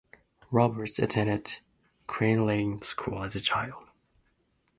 Roberts attended Cranleigh School as a child.